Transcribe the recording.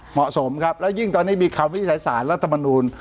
เหมาะสมครับแล้วยิ่งตอนนี้มีคำวินิจฉัยสารรัฐมนูล